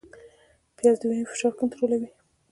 پیاز د وینې فشار کنټرولوي